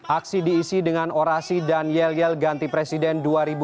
aksi diisi dengan orasi dan yel yel ganti presiden dua ribu dua puluh